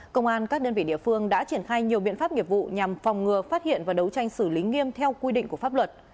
công an các đơn vị địa phương đã triển khai nhiều biện pháp nghiệp vụ nhằm phòng ngừa phát hiện và đấu tranh xử lý nghiêm theo quy định của pháp luật